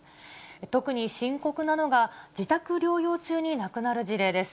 特に深刻なのが、自宅療養中に亡くなる事例です。